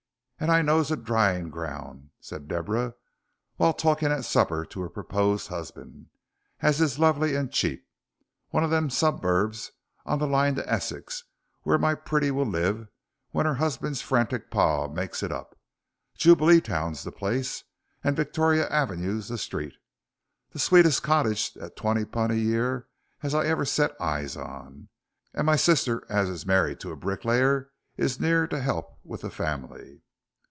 "And I knows a drying ground," said Deborah, while talking at supper to her proposed husband, "as is lovely and cheap. One of them suburbs on the line to Essex, where my pretty will live when her husband's frantic par makes it up. Jubileetown's the place, and Victoria Avenue the street. The sweetest cottage at twenty pun' a year as I ever set eyes on. And m'sister as is married to a bricklayer is near to help with the family."